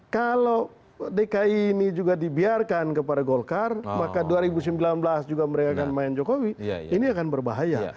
kalau dki ini juga dibiarkan kepada golkar maka dua ribu sembilan belas juga mereka akan main jokowi ini akan berbahaya